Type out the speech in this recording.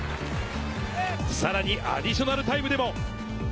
さらにアディショナルタイムでも。